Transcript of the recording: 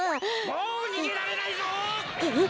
・もうにげられないぞ！はっ！